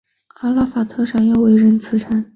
阿拉法特山又称为仁慈山。